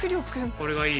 これがいい。